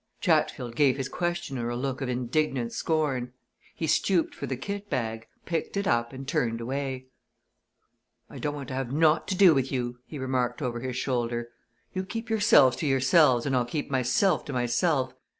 Chatfield gave his questioner a look of indignant scorn. He stooped for the kit bag, picked it up, and turned away. "I don't want to have naught to do with you," he remarked over his shoulder. "You keep yourselves to yourselves, and I'll keep myself to myself.